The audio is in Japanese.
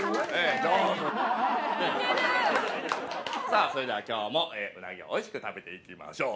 さぁそれでは今日もうなぎをおいしく食べていきましょう。